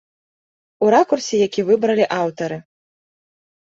У ракурсе, які выбралі аўтары.